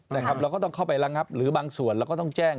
เราก็ต้องเข้าไประงับหรือบางส่วนเราก็ต้องแจ้ง